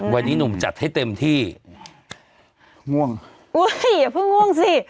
วันนี้หนุ่มจัดให้เต็มที่ง่วงอุ้ยอย่าเพิ่งง่วงสิ